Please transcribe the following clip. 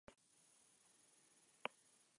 Bibliografía complementaria